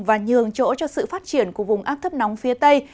và nhường chỗ cho sự phát triển của vùng áp thấp nóng phía tây